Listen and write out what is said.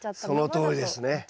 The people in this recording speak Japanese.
そのとおりですね。